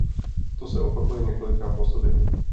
To se opakuje několikrát po sobě.